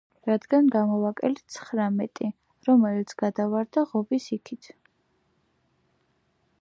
რადგან გამოვაკელით ცხრამეტი, რომელიც გადავარდა ღობის იქით.